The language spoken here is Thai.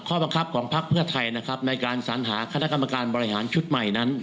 ข้อบังคับของพักเพื่อไทยนะครับในการสัญหาคณะกรรมการบริหารชุดใหม่นั้น